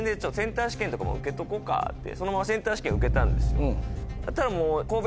とかも受けとこかってそのままセンター試験受けたんですよ。